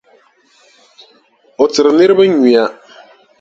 O tiri niriba nyuya.